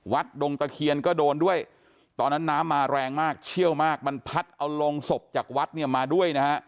ดงตะเคียนก็โดนด้วยตอนนั้นน้ำมาแรงมากเชี่ยวมากมันพัดเอาโรงศพจากวัดเนี่ยมาด้วยนะฮะ